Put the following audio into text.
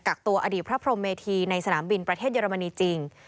ตัวอดีตพระพรมเมธีในสนามบินประเทศเยอรมนีจริง